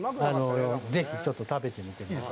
ぜひ、ちょっと食べてみてください。